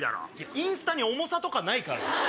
インスタに重さとかないから。